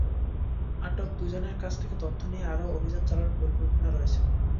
আটক দুজনের কাছ থেকে তথ্য নিয়ে আরও অভিযান চালানোর পরিকল্পনা রয়েছে।